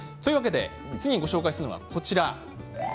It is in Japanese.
次にご紹介するのがこちらです。